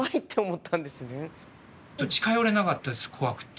ちょっと近寄れなかったです怖くって。